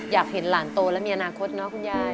อยากเห็นหลานโตและมีอนาคตเนอะคุณยาย